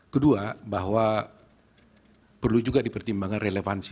kedua bahwa perlu juga dipertimbangkan relevansi